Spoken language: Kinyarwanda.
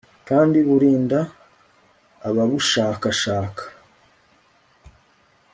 kandi burinda ababushakashaka